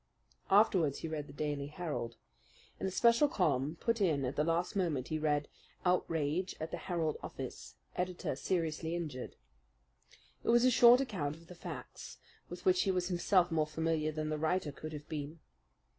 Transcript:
Afterwards he read the Daily Herald. In a special column put in at the last moment he read: OUTRAGE AT THE HERALD OFFICE EDITOR SERIOUSLY INJURED. It was a short account of the facts with which he was himself more familiar than the writer could have been.